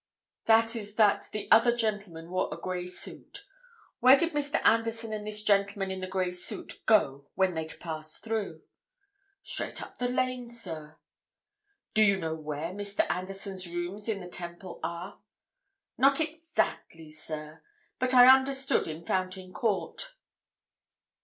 "That is that the other gentleman wore a grey suit. Where did Mr. Anderson and this gentleman in the grey suit go when they'd passed through?" "Straight up the Lane, sir." "Do you know where Mr. Anderson's rooms in the Temple are?" "Not exactly, sir, but I understood in Fountain Court."